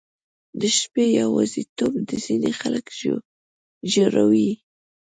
• د شپې یواځیتوب ځینې خلک ژړوي.